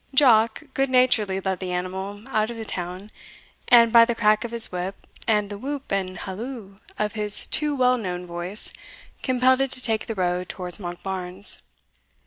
Jock good naturedly led the animal out of town, and, by the crack of his whip, and the whoop and halloo of his too well known voice, compelled it to take the road towards Monkbarns.